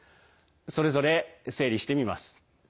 それぞれ整理してみます。